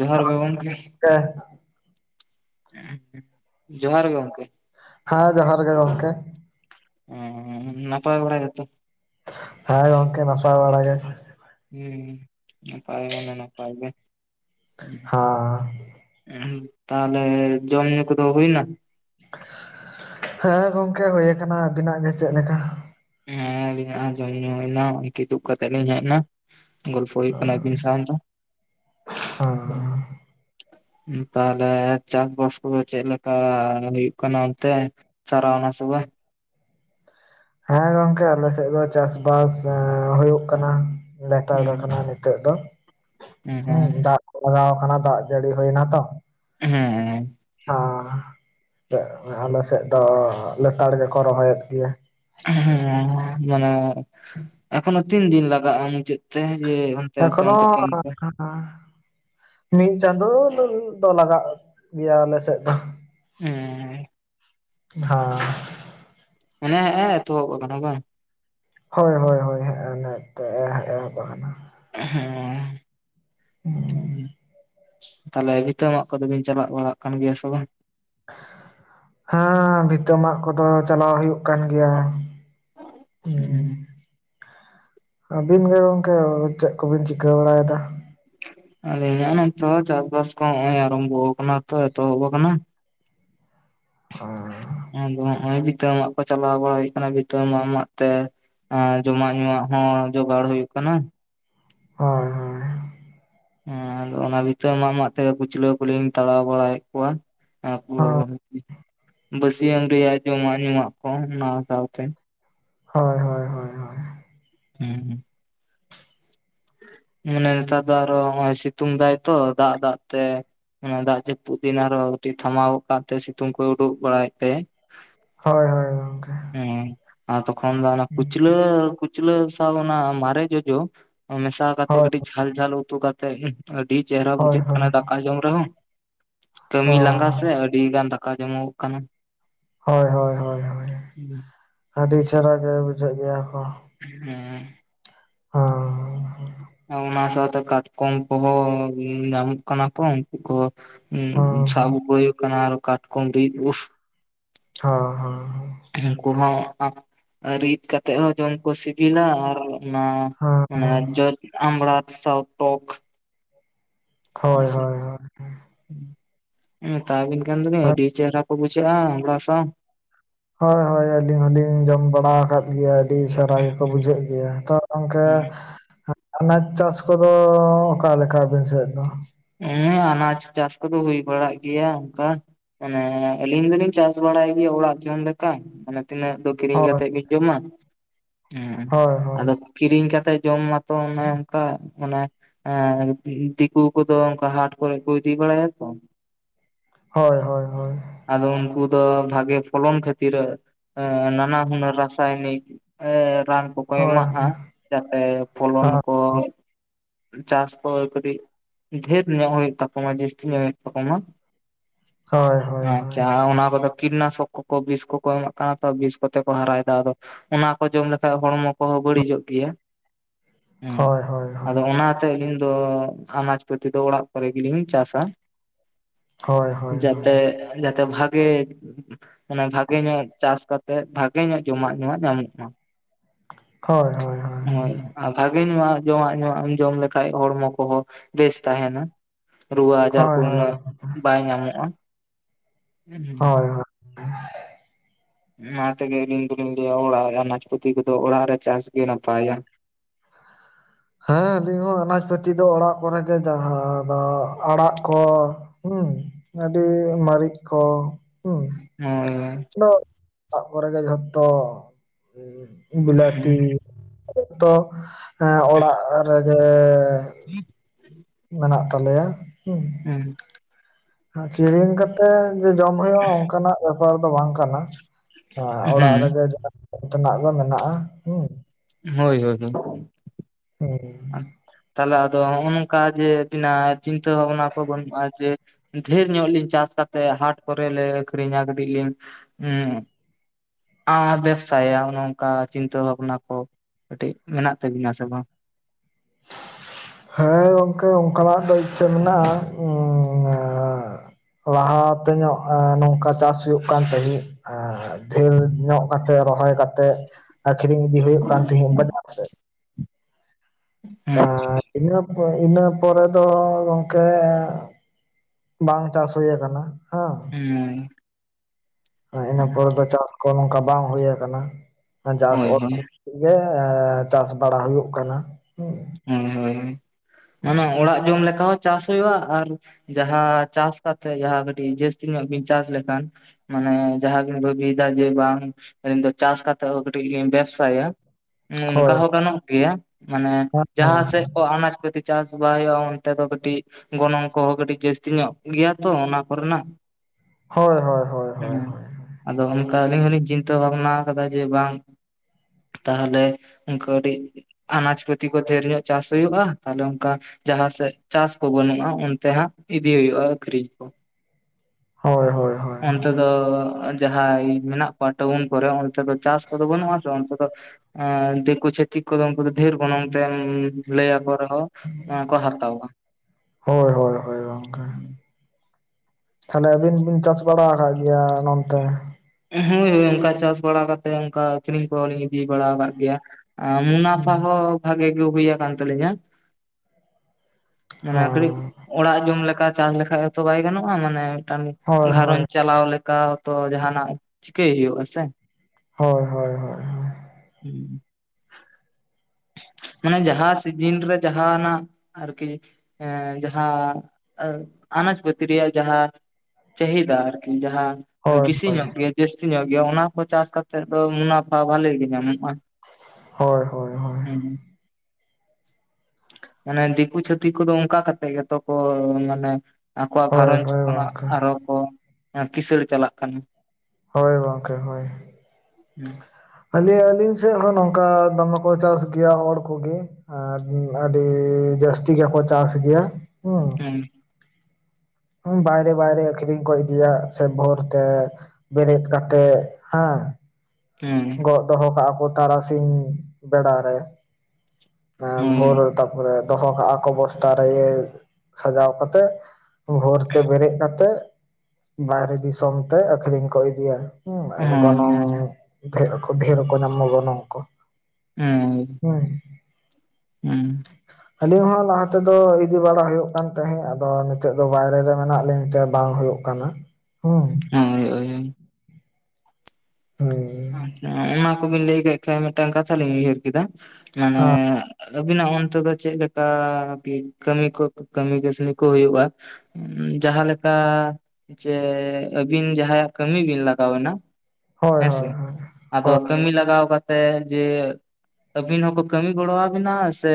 ᱡᱚᱦᱟᱨ ᱜᱮ ᱜᱚᱢᱠᱮ ᱦᱮᱸ ᱡᱚᱦᱟᱨ ᱜᱮ ᱜᱚᱢᱠᱮ ᱦᱟᱸ ᱡᱚᱦᱟᱨ ᱜᱮ ᱜᱚᱢᱠᱮ ᱦᱚᱸ ᱱᱟᱯᱟᱭ ᱵᱟᱲᱟ ᱜᱮᱛᱚ ᱦᱮᱸ ᱜᱚᱢᱠᱮ ᱱᱟᱯᱟᱭ ᱵᱟᱲᱟ ᱜᱮ ᱦᱩᱸ ᱱᱟᱯᱟᱭ ᱚᱱᱟ ᱱᱟᱯᱟᱭ ᱜᱮ ᱦᱟᱸ ᱛᱟᱦᱚᱞᱮ ᱡᱚᱢ ᱧᱩ ᱠᱚᱫᱚ ᱦᱩᱭᱱᱟ ᱦᱮᱸ ᱜᱚᱝᱠᱮ ᱦᱩᱭᱟ ᱠᱟᱱᱟ ᱟᱵᱤᱱᱟᱜ ᱜᱮ ᱪᱮᱫᱞᱮᱠᱟ ᱦᱮᱸ ᱟᱞᱤᱧᱟ ᱦᱚᱸ ᱡᱚᱢ ᱧᱩ ᱦᱩᱭᱱᱟ ᱠᱤᱫᱩᱵᱠᱟᱛᱮᱜ ᱞᱤᱧ ᱦᱮᱡ ᱱᱟ ᱜᱚᱞᱯᱷᱚ ᱦᱩᱭᱩᱜ ᱠᱟᱱᱟ ᱟᱹᱵᱤᱱ ᱥᱟᱶ ᱫᱚ ᱦᱮᱸ ᱛᱟᱦᱚᱞᱮ ᱪᱟᱥ ᱵᱟᱥ ᱠᱚᱫᱚ ᱪᱮᱫ ᱞᱮᱠᱟ ᱦᱩᱭᱩᱜ ᱠᱟᱱᱟ ᱚᱱᱛᱮ ᱥᱟᱨᱟᱣ ᱱᱟᱥᱮ ᱵᱟᱝ ᱦᱮᱸ ᱜᱚᱝᱠᱮ ᱟᱞᱮ ᱥᱮᱫ ᱫᱚ ᱪᱟᱥᱵᱟᱥ ᱦᱩᱭᱩᱜ ᱠᱟᱱᱟ ᱞᱮᱛᱟᱲ ᱦᱮᱸ ᱠᱟᱱᱟ ᱱᱤᱛᱚᱜ ᱫᱚ ᱦᱮᱸ ᱫᱟᱜ ᱞᱟᱜᱟᱣ ᱠᱟᱱᱟ ᱫᱟᱜ ᱡᱟᱹᱲᱤ ᱦᱩᱭᱱᱟ ᱛᱚ ᱦᱮᱸ ᱟᱸ ᱟᱞᱮ ᱥᱮᱫ ᱫᱚ ᱞᱮᱛᱟᱲ ᱜᱮᱠᱚ ᱨᱚᱦᱚᱭᱮᱫ ᱜᱮᱭᱟ ᱦᱩᱸ ᱢᱟᱱᱮ ᱮᱠᱷᱚᱱᱳ ᱛᱤᱱ ᱫᱤᱱ ᱞᱟᱜᱟᱜ-ᱟ ᱢᱩᱪᱟᱹᱫ ᱛᱮ ᱡᱮ ᱚᱱᱛᱮ ᱟᱯᱮ ᱚᱱᱛᱮ ᱦᱟᱸ ᱢᱤᱫ ᱪᱟᱸᱫᱳ ᱫᱚ ᱞᱟᱜᱟᱜ ᱜᱮᱭᱟ ᱟᱞᱮ ᱥᱮᱫ ᱫᱚ ᱩᱸ ᱦᱟᱸ ᱢᱟᱱᱮ ᱦᱮᱸᱜ ᱮ ᱮᱛᱚᱦᱚᱵ ᱟᱠᱟᱱᱟ ᱵᱟᱝ ᱦᱳᱭ ᱦᱳᱭ ᱦᱳᱭ ᱦᱳᱭ ᱮᱱᱮ ᱛᱮ ᱮᱦᱚᱵ ᱠᱟᱱᱟ ᱦᱮᱸ ᱛᱟᱦᱚᱞᱮ ᱵᱷᱤᱛᱟᱹ ᱢᱟᱜ ᱠᱚᱫᱚ ᱵᱤᱱ ᱪᱟᱞᱟᱜ ᱵᱟᱲᱟᱜ ᱠᱟᱱ ᱜᱮᱭᱟ ᱥᱮ ᱵᱟᱝ ᱦᱮᱸ ᱵᱷᱤᱛᱟᱹ ᱢᱟᱜ ᱠᱚᱫᱚ ᱪᱟᱞᱟᱣ ᱦᱩᱭᱩᱜ ᱠᱟᱱ ᱜᱮᱭᱟ [inaudible] ᱟᱵᱤᱱ ᱜᱮ ᱜᱚᱝᱠᱮ ᱪᱮᱫ ᱠᱚᱵᱤᱱ ᱪᱤᱠᱟᱹ ᱵᱟᱲᱟᱭᱮᱫᱟ ᱟᱞᱤᱧᱟᱜ ᱱᱚᱱᱛᱮ ᱦᱚᱸ ᱪᱟᱥᱵᱟᱥ ᱠᱚ ᱦᱚᱸᱜ-ᱚᱭ ᱟᱨᱟᱢᱵᱷᱚ ᱠᱟᱱᱟ ᱛᱚ ᱮᱛᱚᱦᱚᱵ ᱠᱟᱱᱟ ᱦᱚ ᱟᱫᱚ ᱦᱚᱸᱜᱼᱚᱭ ᱵᱤᱛᱟᱹ ᱢᱟᱜ ᱠᱚ ᱪᱟᱞᱟᱣ ᱵᱟᱲᱟ ᱦᱩᱭᱩᱜ ᱠᱟᱱᱟ ᱵᱤᱛᱟᱹ ᱢᱟᱜ ᱢᱟᱜ ᱛᱮ ᱮᱸ ᱡᱚᱢᱟᱜ ᱧᱩᱣᱟᱜ ᱦᱚᱸ ᱡᱚᱜᱟᱲ ᱦᱩᱭᱩᱜ ᱠᱟᱱᱟ ᱦᱳᱭ ᱦᱚᱸ ᱟᱫᱚ ᱚᱱᱟ ᱵᱷᱤᱛᱟᱹ ᱢᱟᱜ ᱢᱟᱜ ᱛᱮ ᱠᱩᱪᱞᱟᱹ ᱠᱚᱞᱤᱧ ᱛᱟᱲᱟᱣ ᱵᱟᱲᱟᱭᱮᱫ ᱠᱚᱣᱟ ᱦᱳᱭ [inaudible] ᱵᱟᱹᱥᱤᱭᱟᱹᱢ ᱨᱮᱭᱟᱜ ᱡᱚᱢᱟᱜ ᱧᱩᱣᱟᱜ ᱠᱚ ᱚᱱᱟ ᱥᱟᱶᱛᱮ ᱦᱳᱭ ᱦᱳᱭ ᱦᱳᱭ ᱦᱳᱭ ᱦᱳᱭ ᱦᱮᱸ ᱢᱟᱱᱮ ᱱᱮᱛᱟᱨ ᱫᱚ ᱟᱨᱚ ᱱᱚᱜᱚᱭ ᱥᱤᱛᱩᱝ ᱫᱟᱭ ᱛᱚ ᱫᱟᱜ ᱫᱟᱜ ᱛᱮ ᱚᱱᱟ ᱫᱟᱜ ᱡᱟᱹᱯᱩᱫ ᱫᱤᱱ ᱟᱨᱦᱚᱸ ᱠᱟᱴᱤ ᱛᱷᱟᱢᱟᱣ ᱟᱠᱟᱫ ᱛᱮ ᱥᱤᱛᱩᱝ ᱠᱚᱭ ᱩᱰᱩᱠ ᱵᱟᱲᱟᱭᱮᱫ ᱛᱮ ᱦᱳᱭ ᱦᱳᱭ ᱜᱚᱝᱠᱮ ᱦᱮᱸ ᱟᱨ ᱛᱚᱠᱷᱚᱱ ᱫᱚ ᱠᱩᱪᱞᱟᱹ ᱠᱩᱪᱞᱟᱹ ᱥᱟᱶ ᱚᱱᱟ ᱢᱟᱨᱮ ᱡᱚᱡᱚ ᱢᱮᱥᱟ ᱠᱟᱛᱮᱜ ᱦᱳᱭ ᱠᱟᱹᱴᱤᱡ ᱡᱷᱟᱞ ᱡᱷᱟᱹᱞ ᱩᱛᱩ ᱠᱟᱛᱮᱜ ᱟᱹᱰᱤ ᱪᱮᱦᱨᱟ ᱦᱳᱭ ᱵᱩᱡᱷᱟᱹᱜ ᱠᱟᱱᱟ ᱦᱳᱭ ᱫᱟᱠᱟ ᱡᱚᱢ ᱨᱮᱦᱚᱸ ᱚ ᱠᱟᱹᱢᱤ ᱞᱟᱸᱜᱟ ᱥᱮ ᱟᱹᱰᱤ ᱜᱟᱱ ᱫᱟᱠᱟ ᱡᱚᱢᱚᱜᱚᱜ ᱠᱟᱱᱟ ᱦᱳᱭ ᱦᱳᱭ ᱦᱚᱭ ᱦᱩᱸ ᱟᱹᱰᱤ ᱪᱮᱦᱨᱟ ᱜᱮ ᱵᱩᱡᱷᱟᱹᱜ ᱜᱮᱭᱟ ᱠᱚ ᱦᱮᱸ ᱦᱚ ᱚᱱᱟ ᱥᱟᱶᱛᱮ ᱠᱟᱴᱠᱚᱢ ᱠᱚᱦᱚ ᱧᱟᱢᱚᱜ ᱠᱟᱱᱟ ᱠᱚ ᱠᱚ ᱦᱚᱸ ᱥᱟᱵ ᱟᱜᱩ ᱠᱚ ᱦᱩᱭᱩᱜ ᱠᱟᱱᱟ ᱟᱨ ᱠᱟᱴᱠᱚᱢ ᱨᱤᱫ ᱤᱦ ᱦᱚᱸ ᱦᱚᱸ ᱩᱱᱠᱩ ᱦᱚᱸ ᱨᱤᱫ ᱠᱟᱛᱮᱜ ᱦᱚᱸ ᱡᱚᱢᱠᱩ ᱥᱤᱵᱤᱞᱟ ᱟᱨ ᱚᱱᱟ ᱦᱚᱸ ᱢᱟᱱᱮ ᱦᱚᱸ ᱡᱚ ᱟᱢᱲᱟ ᱥᱟ ᱴᱚᱠ ᱦᱳᱭ ᱢᱟᱥᱮ ᱦᱳᱭ ᱦᱳᱭ ᱦᱩᱸ ᱢᱮᱛᱟᱵᱤᱱ ᱠᱟᱱ ᱫᱚᱵᱮᱱ ᱟᱹᱰᱤ ᱪᱮᱦᱨᱟ ᱠᱚ ᱵᱩᱡᱷᱟᱹᱜᱼᱟ ᱟᱢᱵᱲᱟ ᱥᱟᱶ ᱦᱳᱭ ᱦᱳᱭ ᱟᱹᱞᱤᱧ ᱦᱚᱞᱤᱧ ᱡᱚᱢ ᱵᱟᱲᱟ ᱟᱠᱟᱫ ᱜᱮᱭᱟ ᱟᱹᱰᱤ ᱥᱟᱨᱦᱟ ᱜᱮᱠᱚ ᱵᱩᱡᱷᱟᱹᱜ ᱜᱮᱭᱟ ᱛᱚ ᱜᱚᱝᱠᱮ ᱦᱮᱸ ᱟᱱᱟᱡ ᱪᱟᱥ ᱠᱚᱫᱚ ᱚᱠᱟᱮ ᱞᱮᱠᱟ ᱟᱵᱤᱱ ᱥᱮᱫ ᱫᱚ ᱦᱮᱸ ᱟᱱᱟᱡ ᱪᱟᱥ ᱠᱚᱫᱚ ᱦᱩᱭ ᱵᱟᱲᱟᱜ ᱜᱮᱭᱟ ᱚᱱᱠᱟ ᱢᱟᱱᱮ ᱟᱞᱤᱧ ᱫᱚᱞᱤᱧ ᱪᱟᱥ ᱵᱟᱲᱟᱭ ᱜᱮᱭᱟ ᱚᱲᱟᱜ ᱡᱚᱢ ᱞᱮᱠᱟ ᱢᱟᱱᱮ ᱛᱤᱱᱟᱹᱜ ᱫᱚ ᱠᱤᱨᱤᱧ ᱦᱳᱭ ᱠᱟᱛᱮᱜ ᱵᱤᱱ ᱡᱚᱢᱟ ᱦᱩᱸ ᱦᱳᱭ ᱦᱳᱭ ᱟᱫᱚ ᱠᱤᱨᱤᱧ ᱠᱟᱛᱮᱜ ᱡᱚᱢ ᱢᱟᱛᱚ ᱚᱱᱮ ᱚᱱᱠᱟ ᱚᱱᱮ ᱫᱤᱠᱩ ᱩᱱᱠᱩ ᱫᱚ ᱚᱱᱠᱟ ᱦᱟᱴ ᱠᱚᱨᱮ ᱠᱚ ᱤᱫᱤ ᱵᱟᱲᱟᱭᱟᱠᱚ ᱦᱳᱭ ᱦᱳᱭ ᱦᱳᱭ ᱟᱫᱚ ᱩᱱᱠᱩ ᱫᱚ ᱵᱷᱟᱜᱮ ᱯᱷᱚᱞᱚᱱ ᱠᱷᱟᱹᱛᱤᱨ ᱱᱟᱱᱟᱦᱩᱱᱟᱹᱨ ᱨᱟᱥᱟᱭᱱᱤᱠ ᱮ ᱨᱟᱢ ᱯᱩᱨᱠ ᱠᱚ ᱦᱳᱭ ᱮᱢᱟᱜᱼᱟ ᱡᱟᱛᱮ ᱯᱷᱚᱞᱚᱱ ᱦᱳᱭ ᱠᱚ ᱪᱟᱥ ᱠᱚ ᱠᱟᱹᱴᱤᱡ ᱰᱷᱮᱨ ᱧᱚᱜ ᱦᱩᱭᱩᱜ ᱛᱟᱠᱚᱢᱟ ᱡᱟᱹᱥᱛᱤ ᱧᱚᱜ ᱦᱩᱭᱩᱜ ᱛᱟᱠᱟ ᱢᱟ ᱦᱚᱭ ᱦᱚᱭ ᱡᱟᱦᱟᱸ ᱚᱱᱟ ᱠᱚᱫᱚ ᱠᱤᱴᱱᱟᱥᱚᱠ ᱠᱚᱠᱚ ᱵᱤᱥ ᱠᱚᱠᱚ ᱮᱢᱟᱜ ᱠᱟᱱᱟ ᱛᱚ ᱵᱤᱥ ᱠᱚᱛᱮ ᱠᱚ ᱦᱟᱨᱟᱭ ᱮᱫᱟ ᱟᱫᱚ ᱚᱱᱟ ᱠᱚ ᱡᱚᱢ ᱞᱮᱠᱷᱟᱡ ᱦᱚᱲᱢᱚ ᱠᱚᱦᱚᱸ ᱵᱟᱹᱲᱤᱡᱚᱜ ᱜᱮᱭᱟ ᱦᱮᱸ ᱦᱳᱭ ᱦᱳᱭ ᱦᱳᱭ ᱦᱳᱭ ᱟᱫᱚ ᱚᱱᱟᱛᱮ ᱟᱹᱞᱤᱧ ᱫᱚ ᱟᱱᱟᱡ ᱯᱟᱹᱛᱤ ᱫᱚ ᱚᱲᱟᱜ ᱠᱚᱨᱮ ᱜᱮᱞᱤᱧ ᱪᱟᱥᱟ ᱦᱳᱭ ᱦᱳᱭ ᱦᱳᱭ ᱡᱟᱛᱮ ᱡᱟᱛᱮ ᱵᱷᱟᱜᱮ ᱢᱟᱱᱮ ᱵᱷᱟᱜᱮ ᱧᱚᱜ ᱪᱟᱥ ᱠᱟᱛᱮᱜ ᱵᱷᱟᱜᱮ ᱧᱚᱜ ᱡᱚᱢᱟᱜ ᱧᱩᱣᱟᱜ ᱧᱟᱢᱚᱜᱼᱢᱟ ᱦᱳᱭ ᱦᱳᱭ ᱦᱳᱭ ᱟᱨ ᱵᱷᱟᱜᱮᱧ ᱡᱚᱢᱟᱜ ᱧᱩᱣᱟᱜ ᱮᱢ ᱡᱚᱢ ᱞᱮᱠᱟᱱ ᱦᱚᱲᱢᱚ ᱠᱚᱦᱚᱸ ᱵᱮᱥ ᱛᱟᱦᱮᱱᱟ ᱨᱩᱣᱟᱹ ᱟᱡᱟᱨ ᱦᱳᱭ ᱠᱚ ᱩᱱᱟᱹᱜ ᱦᱳᱭ ᱵᱟᱭ ᱧᱟᱢᱚᱜᱼᱟ ᱦᱩᱸ ᱦᱳᱭ ᱢᱟ ᱛᱚᱵᱮ ᱟᱞᱤᱧ ᱫᱚᱞᱤᱧ ᱞᱟᱹᱭ ᱟ ᱟᱱᱟᱪ ᱯᱟᱛᱤ ᱠᱚᱫᱚ ᱚᱲᱟᱜ ᱨᱮ ᱪᱟᱥ ᱜᱮ ᱱᱟᱯᱟᱭᱟ ᱦᱮᱸ ᱟᱹᱞᱤᱧ ᱦᱚᱸ ᱟᱱᱟᱡ ᱯᱟᱹᱛᱤ ᱫᱚ ᱚᱲᱟᱜ ᱠᱚᱨᱮ ᱜᱮ ᱡᱟᱦᱟᱸ ᱫᱚ ᱟᱲᱟᱜ ᱠᱚ ᱦᱩᱸ ᱟᱹᱰᱤ ᱢᱟᱹᱨᱤᱪ ᱠᱚ ᱦᱩᱸ ᱦᱳᱭ ᱫᱚ ᱚᱲᱟᱜ ᱠᱚᱨᱮ ᱜᱮ ᱡᱚᱛᱷᱚ ᱵᱤᱞᱟᱛᱤ ᱦᱩᱸ ᱛᱚ ᱚᱲᱟᱜ ᱨᱮᱜᱮ ᱪ [inaudible] ᱢᱮᱱᱟᱜ ᱛᱟᱞᱮᱭᱟ ᱦᱩᱸ ᱦᱩᱸ ᱠᱤᱨᱤᱧ ᱠᱟᱛᱮᱜ ᱡᱮ ᱡᱚᱢ ᱦᱩᱭᱩᱜᱼᱟ ᱚᱱᱠᱟᱱᱟᱜ ᱵᱮᱯᱟᱨ ᱫᱚ ᱵᱟᱝ ᱠᱟᱱᱟ ᱦᱟᱸ ᱚᱲᱟᱜ ᱦᱩᱸ ᱨᱮᱜᱮ ᱡᱚᱛᱷᱚ ᱱᱟᱜ ᱜᱮ ᱢᱮᱱᱟᱜᱼᱟ ᱦᱩᱸ ᱦᱳᱭ ᱦᱳᱭ ᱦᱳᱭ ᱦᱮᱸ ᱛᱟᱞᱦᱮ ᱟᱫᱚ ᱦᱚᱸᱜᱼᱚᱭ ᱱᱚᱝᱠᱟ ᱡᱮ ᱟᱹᱵᱤᱱᱟᱜ ᱪᱤᱱᱛᱟᱹ ᱵᱷᱟᱵᱱᱟ ᱠᱚ ᱵᱟᱹᱱᱩᱜᱼᱟ ᱡᱮ ᱰᱷᱮᱨ ᱧᱚᱜ ᱞᱤᱧ ᱪᱟᱥ ᱠᱟᱛᱮᱜ ᱦᱟᱴ ᱠᱚᱨᱮ ᱞᱮ ᱟᱹᱠᱷᱨᱤᱧᱟ ᱠᱟᱹᱴᱤᱡ ᱞᱤᱧ ᱟᱨ ᱵᱮᱵᱥᱟᱭᱟ ᱚᱱᱮ ᱱᱚᱝᱠᱟ ᱪᱤᱱᱛᱟᱹ ᱵᱷᱟᱵᱽᱱᱟ ᱠᱚ ᱠᱟᱹᱴᱤᱡ ᱢᱮᱱᱟᱜ ᱛᱟᱹᱵᱤᱱᱟ ᱥᱮ ᱵᱟᱝ ᱦᱮᱸ ᱜᱚᱝᱠᱮ ᱚᱱᱠᱟᱱᱟᱜ ᱫᱚ ᱤᱪᱪᱷᱟᱹ ᱢᱮᱱᱟᱜᱼᱟ ᱩᱻᱮᱻ ᱞᱟᱦᱟᱛᱮ ᱧᱚᱜ ᱱᱚᱝᱠᱟ ᱪᱟᱥ ᱦᱩᱭᱩᱜ ᱠᱟᱱ ᱛᱟᱦᱮᱸᱜ ᱦᱮᱸ ᱦᱮᱸ ᱰᱷᱮᱨ ᱧᱚᱜ ᱠᱟᱛᱮᱫ ᱨᱚᱦᱚᱭ ᱠᱟᱛᱮᱜ ᱟᱹᱠᱷᱨᱤᱧ ᱤᱫᱤ ᱦᱩᱭᱩᱜ ᱠᱟᱱ ᱛᱟᱦᱮᱫ ᱵᱟᱡᱟᱨ ᱥᱮᱫ ᱦᱩᱸ ᱟᱨ ᱤᱱᱟᱹ ᱤᱱᱟᱹ ᱯᱚᱨᱮ ᱫᱚ ᱜᱚᱢᱠᱮ ᱵᱟᱝ ᱪᱟᱥ ᱦᱩᱭ ᱟᱠᱟᱱᱟ ᱦᱮᱸ ᱦᱩᱸᱭ ᱤᱱᱟᱹ ᱯᱚᱨᱮ ᱫᱚ ᱪᱟᱥ ᱠᱚ ᱱᱚᱝᱠᱟ ᱵᱟᱝ ᱦᱩᱭ ᱟᱠᱟᱱᱟ ᱪᱟᱥ ᱦᱳᱭ ᱚᱛ ᱦᱳᱭ ᱜᱮ ᱪᱟᱥ ᱵᱟᱲᱟ ᱦᱩᱭᱩᱜ ᱠᱟᱱᱟ ᱦᱩᱸ ᱦᱩᱸᱻ ᱦᱚᱭ ᱦᱚᱭ ᱚᱱᱮ ᱚᱲᱟᱜ ᱡᱚᱢ ᱞᱮᱠᱟ ᱦᱚᱸ ᱪᱟᱥ ᱦᱩᱭᱩᱜᱼᱟ ᱟᱨ ᱡᱟᱦᱟᱸ ᱪᱟᱥ ᱠᱟᱛᱮᱜ ᱡᱟᱦᱟᱸ ᱠᱟᱹᱴᱤᱡ ᱡᱟᱹᱥᱛᱤ ᱧᱚᱜ ᱵᱤᱱ ᱪᱟᱥ ᱞᱮᱠᱷᱟᱱ ᱢᱟᱱᱮ ᱡᱟᱦᱟᱸ ᱵᱤᱱ ᱵᱷᱟᱹᱵᱤ ᱮᱫᱟ ᱡᱮ ᱵᱟᱝ ᱟᱹᱞᱤᱧ ᱫᱚ ᱪᱟᱥ ᱠᱟᱛᱮᱫ ᱦᱚᱸ ᱠᱟᱹᱴᱤᱡ [unintelligible] ᱵᱮᱵᱥᱟᱭᱟ ᱚᱱᱠᱟ ᱦᱳᱭ ᱦᱚᱸ ᱜᱟᱱᱚᱜ ᱜᱮᱭᱟ ᱢᱟᱱᱮ ᱡᱟᱦᱟᱸ ᱥᱮᱫ ᱠᱚ ᱟᱱᱟᱡᱽ ᱯᱟᱹᱛᱤ ᱪᱟᱥ ᱵᱟᱭ ᱦᱩᱭᱩᱜᱼᱟ ᱚᱱᱛᱮ ᱫᱚ ᱠᱟᱹᱴᱤᱡ ᱜᱚᱱᱚᱝ ᱠᱚᱦᱚᱸ ᱠᱟᱹᱴᱤᱡ ᱡᱟᱹᱥᱛᱤ ᱧᱚᱜ ᱜᱮᱭᱟ ᱛᱚ ᱚᱱᱟ ᱠᱚᱨᱮᱱᱟᱜ ᱦᱳᱭ ᱦᱳᱭ ᱦᱳᱭ ᱦᱮᱸ ᱦᱳᱭ ᱟᱫᱚ ᱚᱱᱠᱟ ᱜᱤᱧ [unintelligible] ᱪᱤᱱᱛᱟᱹ ᱵᱷᱟᱵᱽᱱᱟ ᱟᱠᱟᱫᱟ ᱡᱮ ᱵᱟᱝ ᱛᱟᱦᱚᱞᱮ ᱚᱱᱠᱟ ᱟᱹᱰᱤ ᱟᱱᱟᱡᱽ ᱯᱟᱹᱛᱤ ᱠᱚ ᱰᱷᱮᱨ ᱧᱚᱜ ᱪᱟᱥ ᱦᱩᱭᱩᱜᱼᱟ ᱛᱟᱦᱞᱮ ᱚᱱᱠᱟ ᱡᱟᱦᱟᱸ ᱥᱮᱫ ᱪᱟᱥ ᱠᱚ ᱵᱟᱹᱱᱩᱜᱼᱟ ᱚᱱᱛᱮ ᱦᱟᱸᱜ ᱤᱫᱤ ᱦᱩᱭᱩᱜᱼᱟ ᱟᱹᱠᱷᱨᱤᱧ ᱠᱚ ᱦᱳᱭ ᱦᱳᱭ ᱦᱳᱭ ᱚᱱᱛᱮ ᱫᱚ ᱡᱟᱦᱟᱸᱭ ᱢᱮᱱᱟᱜ ᱠᱚᱣᱟ ᱴᱟᱹᱣᱩᱱ ᱠᱚᱨᱮ ᱚᱱᱛᱮ ᱫᱚ ᱪᱟᱥ ᱠᱚᱫᱚ ᱵᱟᱹᱱᱩᱜᱼᱟ ᱛᱚ ᱚᱱᱛᱮ ᱫᱚ ᱟᱨ ᱫᱤᱠᱩ ᱪᱷᱟᱹᱛᱤᱠ ᱠᱚᱫᱚ ᱩᱱᱠᱩ ᱫᱚ ᱰᱷᱮᱨ ᱜᱚᱱᱚᱝ ᱛᱮᱢ ᱞᱟᱹᱭᱟᱠᱚ ᱨᱮ ᱦᱚᱸ ᱚᱱᱟ ᱠᱚ ᱦᱟᱛᱟᱣᱟ ᱦᱳᱭ ᱦᱳᱭ ᱦᱳᱭ ᱜᱚᱝᱠᱮ ᱛᱟᱦᱚᱞᱮ ᱟᱹᱵᱤᱱ ᱵᱤᱱ ᱪᱟᱥ ᱵᱟᱲᱟ ᱠᱟᱜ ᱜᱮᱭᱟ ᱱᱚᱱᱛᱮ ᱦᱮᱸ ᱚᱱᱠᱟ ᱪᱟᱥ ᱵᱟᱲᱟ ᱠᱟᱛᱮᱜ ᱚᱱᱠᱟ ᱟᱹᱠᱷᱤᱨᱤᱧ ᱠᱚᱦᱚᱸ ᱞᱤᱧ ᱤᱫᱤ ᱵᱟᱲᱟ ᱟᱠᱟᱜ ᱜᱮᱭᱟ ᱢᱩᱱᱟᱯᱷᱟ ᱦᱚᱸ ᱵᱷᱟᱹᱜᱤ ᱜᱮ ᱦᱩᱭ ᱟᱠᱟᱱ ᱛᱟᱹᱞᱤᱧᱟ ᱢᱟᱱᱮ ᱠᱟᱹᱴᱤᱡ ᱦᱚᱸ ᱚᱲᱟᱜ ᱡᱚᱢ ᱞᱮᱠᱟ ᱪᱟᱥ ᱞᱮᱠᱷᱟᱡ ᱦᱚᱸ ᱛᱚ ᱵᱟᱭ ᱜᱟᱱᱚᱜᱼᱟ ᱢᱟᱱᱮ ᱢᱤᱫᱴᱟᱹᱝ ᱦᱳᱭ ᱜᱷᱟᱸᱨᱚᱡᱽ ᱦᱳᱭ ᱪᱟᱞᱟᱣ ᱞᱮᱠᱟ ᱦᱚᱸ ᱛᱚ ᱡᱟᱦᱟᱱᱟᱜ ᱪᱤᱠᱟᱹᱭ ᱦᱩᱭᱩᱜᱼᱟ ᱥᱮ ᱦᱳᱭ ᱦᱳᱭ ᱦᱳᱭ ᱦᱩᱸᱻ ᱢᱟᱱᱮ ᱡᱟᱦᱟᱸ ᱥᱤᱡᱤᱱ ᱨᱮ ᱡᱟᱦᱟᱸᱱᱟᱜ ᱟᱨᱠᱤ ᱮ ᱡᱟᱦᱟᱸ ᱟᱱᱟᱡᱽ ᱯᱟᱹᱛᱤ ᱨᱮᱭᱟᱜ ᱡᱟᱦᱟᱸ ᱪᱟᱹᱦᱤᱫᱟ ᱟᱨᱠᱤ ᱡᱟᱦᱟᱸ ᱦᱳᱭ ᱦᱳᱭ ᱵᱮᱥᱤ ᱧᱚᱜ ᱜᱮᱭᱟ ᱡᱟᱹᱥᱛᱤ ᱧᱚᱜ ᱜᱮᱭᱟ ᱚᱱᱟ ᱠᱚ ᱪᱟᱥ ᱠᱟᱛᱮ ᱫᱚ ᱢᱩᱱᱟᱯᱷᱟ ᱵᱷᱟᱹᱞᱤ ᱜᱮ ᱧᱟᱢᱚᱜᱼᱟ ᱦᱳᱭ ᱦᱳᱭ ᱦᱳᱭ ᱦᱮᱸ ᱢᱟᱱᱮ ᱫᱤᱠᱩ ᱪᱷᱟᱹᱛᱤᱠ ᱠᱚᱫᱚ ᱚᱱᱠᱟ ᱠᱟᱛᱮᱜ ᱜᱮᱛᱚ ᱠᱚ ᱢᱟᱱᱮ ᱟᱠᱚᱣᱟᱜ ᱦᱳᱭ ᱜᱷᱟᱸᱨᱚᱡᱽ ᱦᱳᱭ ᱠᱷᱚᱱᱟᱜ ᱜᱚᱝᱠᱮ ᱟᱨᱦᱚᱸ ᱠᱚ ᱠᱤᱥᱟᱹᱬ ᱪᱟᱞᱟᱜ ᱠᱟᱱᱟ ᱦᱳᱭ ᱜᱚᱝᱠᱮ ᱦᱳᱭ ᱟᱹᱞᱤ ᱟᱹᱞᱤᱧ ᱥᱮᱫ ᱦᱚᱸ ᱱᱚᱝᱠᱟ ᱫᱚᱢᱮ ᱠᱚ ᱪᱟᱥ ᱜᱮᱭᱟ ᱦᱚᱲ ᱠᱚᱜᱮ ᱟᱨ ᱟᱹᱰᱤ ᱡᱟᱹᱥᱛᱤ ᱜᱮᱠᱚ ᱪᱟᱥ ᱜᱮᱭᱟ ᱦᱩᱸ [unintelligible] ᱵᱟᱭᱨᱮ ᱵᱟᱭᱨᱮ ᱟᱠᱷᱨᱤᱧ ᱠᱚ ᱤᱫᱤᱭᱟ ᱥᱮ ᱵᱷᱳᱨ ᱛᱮ ᱵᱮᱨᱮᱫ ᱠᱟᱛᱮᱜ ᱦᱮᱸ ᱦᱩᱸ ᱜᱚᱜ ᱫᱚᱦᱚ ᱠᱟᱜᱼᱟ ᱠᱚ ᱛᱟᱨᱟᱥᱤᱧ ᱵᱮᱲᱟ ᱨᱮ ᱵᱷᱳᱨ ᱦᱮᱸ ᱛᱟ ᱛᱟᱯᱚᱨᱮ ᱫᱚᱦᱚ ᱠᱟᱜᱼᱟ ᱠᱚ, ᱵᱚᱥᱛᱟ ᱨᱮ ᱥᱟᱡᱟᱣ ᱠᱟᱛᱮᱜ ᱵᱷᱳᱨ ᱛᱮ ᱵᱮᱨᱮᱜ ᱠᱟᱛᱮᱜ ᱵᱟᱨᱦᱟᱨᱮ ᱫᱤᱥᱚᱢ ᱛᱮ ᱟᱠᱷᱨᱤᱧ ᱠᱚ ᱤᱫᱤᱭᱟ᱾ ᱦᱩᱸ ᱦᱮᱸ ᱜᱚᱱᱚᱝ ᱫᱷᱮᱨ ᱠᱚ ᱫᱷᱮᱨ ᱠᱚ ᱧᱟᱢᱟ ᱜᱚᱱᱚᱝ ᱠᱚ᱾ ᱦᱮᱸ ᱦᱳᱭ᱾ ᱦᱩᱸ--᱾ ᱟᱞᱤᱧ ᱦᱚᱸ ᱞᱟᱦᱟ ᱛᱮᱫᱚ ᱤᱫᱤ ᱵᱟᱲᱟ ᱦᱩᱭᱩᱜ ᱠᱟᱱ ᱛᱟᱦᱮᱸᱜ ᱟᱫᱚ, ᱱᱤᱛᱚᱜ ᱫᱚ ᱵᱟᱭᱨᱮ ᱨᱮ ᱢᱮᱱᱟᱜ ᱞᱤᱧ ᱛᱮ ᱵᱟᱝ ᱦᱳᱭᱳᱜ ᱠᱟᱱᱟ, ᱦᱩᱸ᱾ ᱦᱮᱸᱻ ᱳᱭᱻ ᱳᱭᱻ᱾ ᱦᱮᱸᱻ ᱜᱮ ᱟᱪᱪᱷᱟ ᱚᱱᱟ ᱠᱚᱵᱤᱱ ᱞᱟᱹᱭ ᱠᱮᱜ ᱠᱷᱟᱡ ᱢᱤᱫᱴᱟᱝ ᱠᱟᱛᱷᱟ ᱞᱤᱧ ᱩᱭᱦᱟᱹᱨ ᱠᱮᱫᱟ ᱢᱟᱱᱮ ᱟᱵᱤᱱᱟᱜ ᱚᱱᱛᱮ ᱫᱚ ᱪᱮᱫ ᱞᱮᱠᱟ ᱠᱟᱹᱢᱤ ᱠᱚ, ᱠᱟᱹᱢᱤ ᱠᱟᱹᱥᱢᱤ ᱠᱚ ᱦᱳᱭᱳᱜᱼᱟ? ᱡᱟᱦᱟᱸ ᱞᱮᱠᱟ ᱡᱮ ᱟᱹᱵᱤᱱ ᱡᱟᱦᱟᱸᱭᱟᱜ ᱠᱟᱹᱢᱤ ᱵᱤᱱ ᱞᱟᱜᱟᱣ ᱱᱟ ᱦᱳᱭ ᱦᱮᱸᱥᱮ᱾ ᱦᱳᱭ ᱦᱳᱭ ᱟᱫᱚ ᱦᱳᱭ ᱠᱟᱹᱢᱤ ᱞᱟᱜᱟᱣ ᱠᱟᱛᱮ ᱡᱮ, ᱟᱹᱵᱤᱱ ᱦᱚᱸᱠᱚ ᱠᱟᱹᱢᱤ ᱜᱚᱲᱚ ᱟᱵᱤᱱᱟ? ᱥᱮ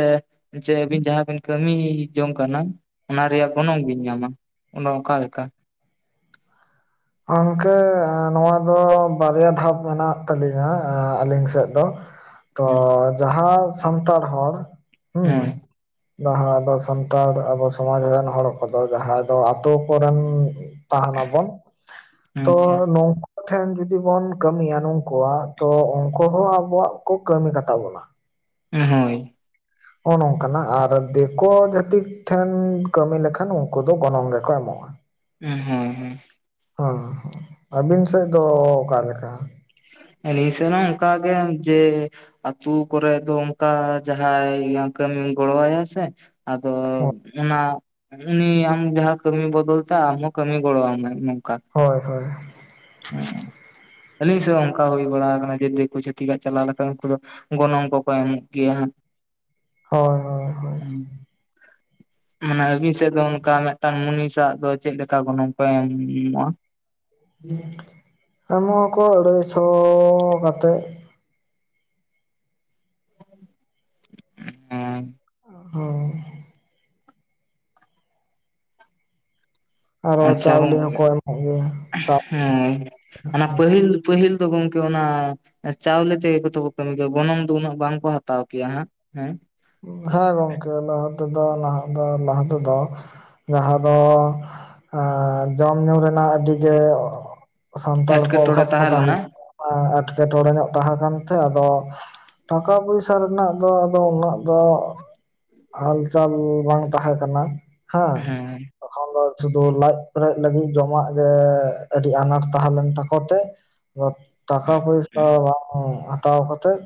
ᱡᱮ ᱟᱹᱵᱤᱱ ᱡᱟᱦᱟᱸ ᱵᱤᱱ ᱠᱟᱹᱢᱤ ᱡᱚᱝ ᱠᱟᱱᱟ, ᱚᱱᱟ ᱨᱮᱭᱟᱜ ᱜᱚᱱᱚᱝ ᱵᱤᱱ ᱧᱟᱢᱟ? ᱚᱱᱮ ᱚᱝᱠᱟ ᱞᱮᱠᱟ? ᱜᱚᱝᱠᱮ ᱱᱚᱣᱟ ᱫᱚ ᱵᱟᱨᱭᱟ ᱫᱷᱟᱯ ᱢᱮᱱᱟᱜ ᱛᱟᱹᱞᱤᱧᱟ ᱟᱹᱞᱤᱝ ᱥᱮᱜ ᱫᱚ᱾ [inaudible] ᱛᱚ ᱡᱟᱦᱟᱸ ᱥᱟᱱᱛᱟᱲ ᱦᱚᱲ, ᱦᱩᱸ ᱦᱳᱭ ᱡᱟᱦᱟᱸ ᱟᱵᱚ ᱥᱟᱱᱛᱟᱲ ᱟᱵᱚ ᱥᱚᱢᱟᱡᱽ ᱨᱮᱱ ᱦᱚᱲ ᱠᱚᱫᱚ, ᱡᱟᱦᱟᱸᱭ ᱫᱚ ᱟᱛᱳ ᱠᱚᱨᱮᱱ ᱛᱟᱸᱦᱮᱸᱱᱟᱵᱚᱱ ᱛᱚ ᱟᱪᱪᱷᱟ ᱱᱚᱝ ᱴᱷᱮᱱ ᱡᱩᱫᱤ ᱵᱚᱱ ᱠᱟᱹᱢᱤᱭᱟ ᱱᱩᱠᱩᱣᱟᱜ, ᱛᱚ ᱩᱱᱠᱩ ᱦᱚᱸ ᱟᱵᱚᱣᱟᱜ ᱠᱚ ᱠᱟᱹᱢᱤ ᱠᱟᱛᱟ ᱵᱚᱱᱟ᱾ ᱦᱳᱭ᱾ ᱚᱱ ᱚᱠᱟᱱᱟᱜ ᱟᱨ ᱫᱤᱠᱳ ᱡᱟᱹᱛᱤ ᱴᱷᱮᱱ ᱠᱟᱹᱢᱤ ᱞᱮᱠᱷᱟᱱ, ᱩᱱᱠᱩ ᱫᱚ ᱜᱚᱱᱚᱝ ᱜᱮᱠᱚ ᱮᱢᱚᱜ ᱩᱸᱻ ᱦᱮᱸᱻ ᱦᱮᱸ᱾ ᱦᱩᱸᱻ ᱟᱹᱵᱤᱱ ᱥᱮᱜ ᱫᱚ ᱚᱠᱟᱞᱮᱠᱟ? ᱟᱞᱤᱧ ᱥᱮᱱ ᱦᱚᱸ ᱚᱱᱠᱟ ᱜᱮ ᱡᱮ ᱟᱛᱩ ᱠᱚᱨᱮ ᱫᱚ ᱚᱱᱠᱟ ᱡᱟᱦᱟᱸᱭ ᱚᱝᱠᱟᱢ ᱜᱚᱲᱚᱣᱟᱭᱟ ᱥᱮ, ᱟᱫᱚ ᱚᱱᱟ ᱩᱱᱤ ᱟᱢ ᱡᱟᱦᱟᱸ ᱠᱟᱹᱢᱤ ᱵᱚᱫᱚᱞ ᱛᱮ ᱟᱢᱦᱚᱸ ᱠᱟᱹᱢᱤ ᱜᱚᱲᱚ ᱟᱢᱟ ᱱᱚᱝᱠᱟ᱾ ᱦᱳᱭᱻ ᱦᱳᱭ᱾ ᱦᱚᱸ ᱟᱹᱞᱤᱧ ᱥᱮᱫ ᱚᱱᱠᱟ ᱦᱩᱭ ᱵᱟᱲᱟ ᱟᱠᱟᱱᱟ, ᱡᱮ ᱫᱤᱠᱩ ᱪᱷᱛᱤᱠᱟᱜ ᱪᱟᱞᱟᱣ ᱞᱮᱠᱷᱟᱱ ᱩᱱᱠᱩ ᱫᱚ ᱜᱚᱱᱚᱝ ᱠᱚᱠᱚ ᱮᱢᱚᱜ ᱜᱮᱭᱟ᱾ ᱦᱳᱭᱻ ᱦᱳᱭᱻ᱾ ᱩᱸᱻ ᱢᱟᱱᱮ ᱟᱵᱤᱱ ᱥᱮᱜ ᱫᱚ ᱚᱱᱠᱟ ᱢᱤᱫᱴᱟᱝ ᱢᱩᱱᱤᱥᱟᱜ ᱫᱚ ᱪᱮᱜ ᱞᱮᱠᱟ ᱜᱚᱱᱚᱝ ᱯᱮ ᱮᱢᱻᱟ? ᱮᱢᱚᱜ ᱟᱠᱚ ᱟᱹᱲᱟᱹᱭᱥᱚ ᱠᱟᱛᱮᱜ᱾ ᱚᱸᱻ᱾ ᱦᱳᱭ᱾ ᱟᱨᱚ ᱟᱪᱪᱷᱟ ᱪᱟᱣᱞᱮ ᱜᱚᱝᱠᱮ, ᱦᱚᱸᱠᱚ ᱮᱢᱚᱜ ᱜᱮᱭᱟ ᱦᱮᱸ ᱚᱱᱟ ᱯᱟᱹᱦᱤᱞ ᱯᱟᱹᱦᱤᱞ ᱫᱚ ᱜᱚᱢᱠᱮ ᱚᱱᱟ ᱪᱟᱣᱞᱮ ᱛᱮᱜᱮ ᱠᱚᱛᱚ ᱠᱚ ᱠᱟᱹᱢᱤ ᱠᱮᱭᱟ, ᱜᱚᱱᱚᱝ ᱫᱚ ᱩᱱᱟᱹᱜ ᱵᱟᱝᱠᱚ ᱦᱟᱛᱟᱣ ᱠᱮᱭᱟ ᱦᱟᱸᱜ ᱦᱮᱸ? ᱦᱮᱸ ᱜᱚᱝᱠᱮ ᱞᱟᱦᱟ ᱛᱮᱫᱚ, ᱱᱟᱦᱟᱜ ᱫᱚ ᱞᱟᱦᱟ ᱛᱮᱫᱚ ᱡᱟᱦᱟᱸ ᱫᱚ ᱡᱚᱢ ᱧᱩ ᱨᱮᱱᱟᱜ ᱟᱹᱰᱤ ᱜᱮ ᱥᱟᱱᱛᱟᱲ ᱠᱚ ᱮᱴᱠᱮᱴᱚᱬᱮ ᱚᱵᱷᱟᱵ ᱠᱚ ᱛᱟᱦᱮᱸ ᱛᱟᱦᱮ ᱞᱮᱱᱟ ᱮᱸᱴᱠᱮᱴᱚᱬᱮ ᱧᱚᱜ ᱛᱟᱦᱮᱸ ᱠᱟᱱᱛᱮ ᱟᱫᱚ, ᱴᱟᱠᱟ ᱯᱚᱭᱥᱟ ᱨᱮᱱᱟᱜ ᱫᱚ ᱟᱫᱚ ᱩᱱᱟᱹᱜ ᱫᱚ ᱦᱟᱞᱪᱟᱞ ᱵᱟᱝ ᱛᱟᱦᱮᱸ ᱠᱟᱱᱟ ᱦᱮᱸ, ᱛᱚᱠᱷᱚᱱ ᱫᱚ ᱥᱩᱫᱷᱩ ᱞᱟᱡ ᱯᱮᱨᱮᱡ ᱞᱟᱹᱜᱤᱫ ᱡᱚᱢᱟᱜ ᱜᱮ ᱟᱹᱰᱤ ᱟᱱᱟᱴ ᱛᱟᱦᱮᱸ ᱞᱮᱱ ᱛᱟᱠᱚ ᱛᱮ ᱴᱟᱠᱟ ᱯᱚᱭᱥᱟ ᱵᱟᱝ ᱦᱟᱛᱟᱣ ᱠᱟᱛᱮᱜ,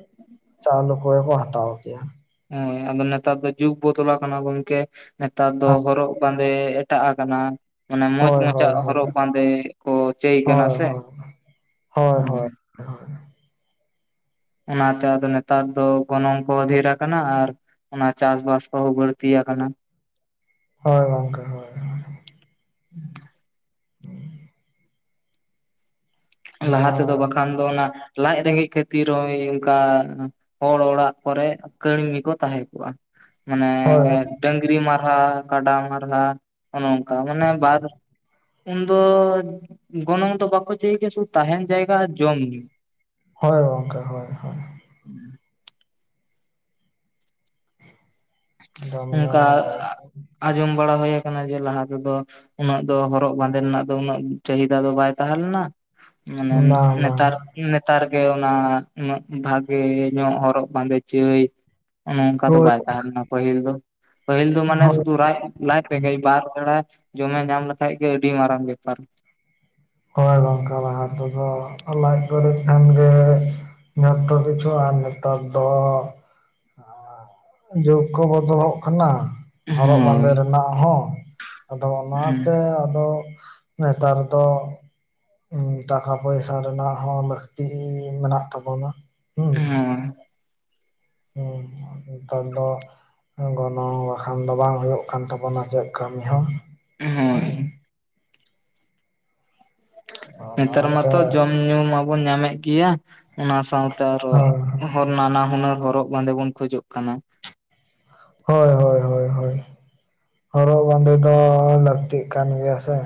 ᱪᱟᱣᱞᱩ ᱠᱚ ᱜᱮ ᱠᱚ ᱦᱟᱛᱟᱣᱟ᱾ ᱮᱭᱟ᱾ ᱦᱮᱸ ᱱᱮᱛᱟᱨ ᱫᱚ ᱡᱩᱜ ᱵᱚᱫᱚᱞᱟ ᱟᱠᱟᱱᱟ ᱜᱚᱝᱠᱮ, ᱱᱮᱛᱟᱨ ᱫᱚ ᱦᱚᱨᱚᱜ ᱵᱟᱸᱫᱮ ᱮᱴᱟᱜ ᱟᱠᱟᱱᱟ᱾ ᱚᱱᱟ ᱢᱚᱪ ᱦᱳᱭ ᱢᱚᱪᱟᱜ ᱦᱳᱭ ᱦᱳᱭ ᱦᱚᱨᱚᱜ ᱵᱟᱸᱫᱮ ᱠᱚ ᱪᱟᱹᱭ ᱠᱟᱱᱟ ᱦᱳᱭ ᱥᱮ, ᱦᱳᱭ ᱦᱳᱭ ᱦᱮᱸ ᱦᱳᱭ ᱚᱱᱟᱛᱮ ᱟᱫᱚ ᱱᱮᱛᱟᱨ ᱫᱚ ᱜᱚᱱᱚᱝ ᱠᱚ ᱫᱷᱷᱮᱨ ᱟᱠᱟᱱᱟ, ᱟᱨ ᱚᱱᱟ ᱪᱟᱥᱵᱟᱥ ᱠᱚᱦᱚᱸ ᱵᱟᱹᱲᱛᱤ ᱟᱠᱟᱱᱟ᱾ ᱦᱳᱭ ᱜᱚᱝᱠᱮ ᱦᱚ [inaudible] ᱚᱱᱟ ᱞᱟᱦᱟ ᱛᱮᱫᱚ ᱵᱟᱠᱷᱟᱱ ᱫᱚ ᱚᱱᱟ ᱞᱟᱡ ᱨᱮᱸᱜᱮᱡ ᱠᱷᱟᱹᱛᱤᱨ ᱦᱚᱸᱭ ᱚᱱᱠᱟ ᱦᱚᱲ ᱚᱲᱟᱜ ᱠᱚᱨᱮ ᱠᱟᱹᱲᱢᱤᱠᱚ ᱛᱟᱦᱮᱸ ᱠᱚᱜᱼᱟ᱾ ᱢᱟᱱᱮ ᱦᱳᱭ ᱰᱟᱝᱨᱤ ᱢᱟᱨᱦᱟ ᱠᱟᱰᱟ ᱢᱟᱨᱦᱟ ᱚᱱᱮ ᱠᱟ ᱢᱟᱱᱮ ᱵᱟᱨ ᱩᱱᱫᱚ ᱜᱚᱱᱚᱝ ᱫᱚ ᱵᱟᱠᱚ ᱪᱟᱹᱭ ᱜᱮᱭᱟ ᱥᱩᱫᱩ ᱛᱟᱦᱮᱱ ᱡᱟᱭᱜᱟ ᱟᱨ ᱡᱚᱢ ᱧᱩ᱾ ᱦᱳ ᱜᱚᱝᱠᱮ ᱦᱳᱭ ᱦᱳᱭ᱾ ᱡᱚᱢ ᱧᱩ ᱚᱱᱠᱟ ᱟᱸᱡᱚᱢ ᱵᱟᱲᱟ ᱦᱳᱭ ᱟᱠᱟᱱᱟ ᱡᱮ ᱞᱟᱦᱟ ᱛᱮᱫᱚ ᱩᱱᱟᱹᱜ ᱫᱚ ᱦᱚᱨᱚᱜ ᱵᱟᱸᱫᱮ ᱨᱮᱱᱟᱜ ᱫᱚ ᱩᱱᱟᱹᱜ ᱪᱟᱹᱦᱤᱫᱟ ᱫᱚ ᱵᱟᱭ ᱛᱟᱦᱮᱸ ᱞᱮᱱᱟ᱾ ᱢᱟᱱᱮ ᱵᱟᱝ ᱵᱟᱝ ᱱᱮᱛᱟᱨ ᱱᱮᱛᱟᱨ ᱜᱮ ᱚᱱᱟ ᱩᱱᱟᱹᱜ ᱵᱷᱟᱜᱮ ᱧᱚᱜ ᱦᱚᱨᱚᱜ ᱵᱟᱸᱫᱮ ᱪᱟᱹᱭ᱾ ᱚᱱᱚ ᱚᱱᱠᱟ ᱫᱚ ᱦᱳᱭ ᱵᱟᱭ ᱛᱟᱦᱮᱸ ᱞᱮᱱᱟ ᱯᱟᱹᱦᱤᱞ ᱫᱚ᱾ ᱯᱟᱹᱦᱤᱞ ᱫᱚ ᱢᱟᱱᱮ ᱦᱳᱭ ᱥᱩᱫᱷᱩ ᱨᱟᱡ ᱞᱟᱪ ᱨᱮᱜᱮ ᱵᱟᱨ ᱵᱮᱲᱟᱭ ᱡᱚᱢᱮ ᱧᱟᱢ ᱞᱮᱠᱷᱟᱡ ᱜᱮ ᱟᱹᱰᱤ ᱢᱟᱨᱟᱝ ᱵᱮᱯᱟᱨ᱾ ᱦᱳᱭ ᱜᱚᱝᱠᱮ ᱞᱟᱦᱟ ᱛᱮᱫᱚ ᱞᱟᱡ ᱠᱚᱚᱨᱤᱡ ᱠᱷᱟᱱ ᱜᱮ ᱡᱷᱚᱛᱚ ᱠᱤᱪᱷᱩ ᱟᱨ ᱱᱮᱛᱟᱨ ᱫᱚ ᱡᱳᱩᱜᱽ ᱠᱚ ᱵᱚᱫᱚᱞᱚᱜ ᱠᱟᱱᱟ᱾ ᱦᱚᱨᱚᱜ ᱵᱟᱸᱫᱮ ᱦᱳᱭ ᱨᱮᱱᱟᱜ ᱦᱚᱸ, ᱟᱫᱚ ᱚᱱᱟᱛᱮ ᱟᱫᱚ ᱱᱮᱛᱟᱨ ᱫᱚ ᱩᱸ ᱴᱟᱠᱟ ᱯᱚᱭᱥᱟ ᱨᱮᱱᱟᱜ ᱦᱚᱸ ᱞᱟᱹᱠᱛᱤ ᱢᱮᱱᱟᱜ ᱛᱟᱵᱚᱱᱟ ᱦᱩᱸ᱾ ᱦᱳᱭ ᱩᱸ ᱱᱮᱛᱟᱨ ᱫᱚ, ᱜᱚᱱᱚᱝ ᱵᱟᱠᱷᱟᱱ ᱫᱚ ᱵᱟᱝ ᱦᱳᱭᱳᱜ ᱠᱟᱱ ᱛᱟᱵᱳᱱᱟ ᱪᱮᱫ ᱠᱟᱹᱢᱤ ᱦᱚᱸ᱾ ᱦᱳᱭ ᱦᱩᱸ᱾ ᱱᱮᱛᱟᱨ ᱢᱟᱛᱚ ᱚᱱᱟᱛᱮ ᱡᱚᱢ ᱧᱩ ᱢᱟᱵᱚᱱ ᱧᱟᱢ ᱮᱫ ᱜᱮᱭᱟ᱾ ᱚᱱᱟ ᱥᱟᱶᱛᱮ ᱟᱨᱚ, ᱱᱟᱱᱟ ᱦᱩᱱᱟᱹᱨ ᱦᱚᱨᱚᱜ ᱵᱟᱸᱫᱮ ᱵᱚᱱ ᱠᱷᱚᱡᱚᱜ ᱠᱟᱱᱟ᱾ ᱦᱳᱭ, ᱦᱳᱭ, ᱦᱳᱭ, ᱦᱳᱭ᱾ ᱦᱚᱨᱚᱜ ᱵᱟᱸᱫᱮ ᱫᱚ ᱞᱟᱹᱠᱛᱤᱜ ᱠᱟᱱ ᱜᱮᱭᱟ ᱥᱮ᱾